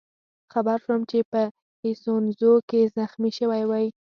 خبر شوم چې په ایسونزو کې زخمي شوی وئ.